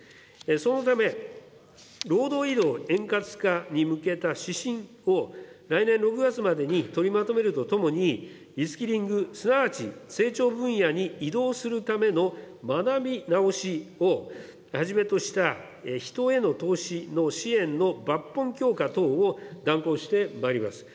そのため、労働移動円滑化に向けた指針を来年６月までに取りまとめるとともに、リスキリング、すなわち成長分野に移動するための学び直しをはじめとした人への投資の支援の抜本強化等を断行してまいります。